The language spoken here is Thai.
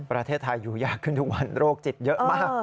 ประเทศไทยอยู่ยากขึ้นทุกวันโรคจิตเยอะมาก